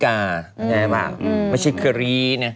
แน่ปะเพราะไม่ใช่เครี